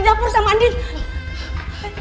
dengan apel gue namanyanya